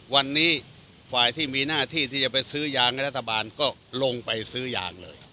วันนี้ฝ่ายที่มีหน้าที่ที่จะไปซื้อยางให้รัฐบาลก็ลงไปซื้อยางเลย